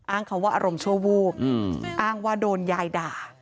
อ้างคำว่าอารมณ์ชั่ววูบอ้างว่าโดนยายด่า